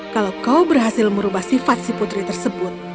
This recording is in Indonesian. kalau kau berhasil merubah sifat si putri tersebut